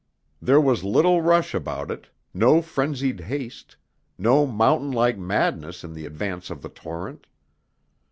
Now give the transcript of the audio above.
There was little rush about it, no frenzied haste, no mountain like madness in the advance of the torrent.